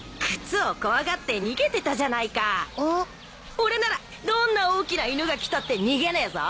俺ならどんな大きな犬が来たって逃げねえぞ。